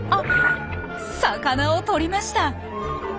魚をとりました。